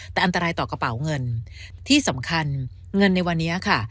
แต่อันตรายต่อกระเป๋าเงินที่สำคัญเงินในวันนี้ค่ะ